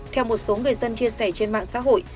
theo một số người dân chia sẻ trên mạng xã hội